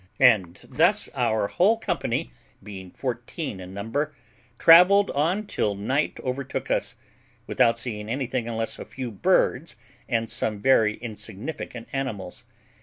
And thus our whole company, being fourteen in number, travelled on till night overtook us, without seeing anything unless a few birds and some very insignificant animals.